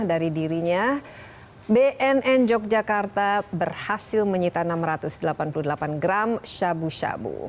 dari dirinya bnn yogyakarta berhasil menyita enam ratus delapan puluh delapan gram sabu sabu